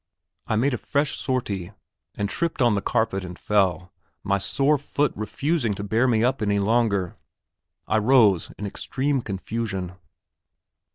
I made a fresh sortie, and tripped on the carpet and fell, my sore foot refusing to bear me up any longer. I rose in extreme confusion.